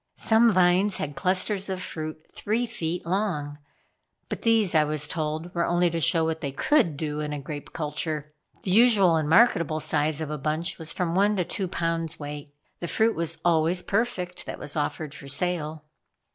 Some vines had clusters of fruit three feet long; but these I was told were only to show what they could do in grape culture. The usual and marketable size of a bunch was from one to two pounds weight. The fruit was always perfect that was offered for sale.